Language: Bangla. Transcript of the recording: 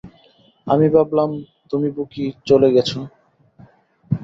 আমি ভাবলাম তুমি বুকি চলে গেছ।